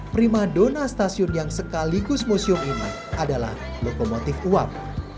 prima dona stasiun yang sekaligus museum ini adalah lokomotif uap